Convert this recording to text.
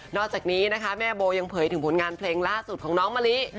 อกจากนี้นะคะแม่โบยังเผยถึงผลงานเพลงล่าสุดของน้องมะลิ